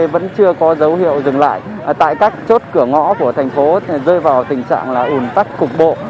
vẫn chưa có dấu hiệu dừng lại tại các chốt cửa ngõ của thành phố rơi vào tình trạng ủn tắc cục bộ